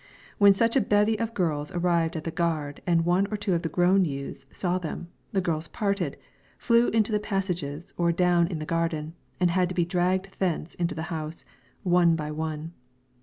When such a bevy of girls arrived at the gard and one or two of the grown youths saw them, the girls parted, flew into the passages or down in the garden, and had to be dragged thence into the house, one by one.